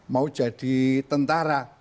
mau jadi tentara